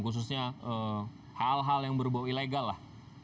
khususnya hal hal yang berbau ilegal lah